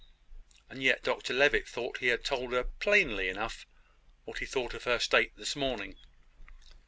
And yet Dr Levitt thought he had told her, plainly enough, what he thought of her state this morning."